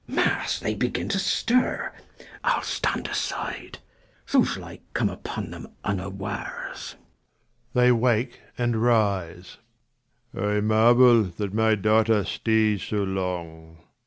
Mass, they begin to stir : I'll stand aside ; So shall I come upon them unawares. [They wake and rise. Leir. I marvel, that my daughter stays so long.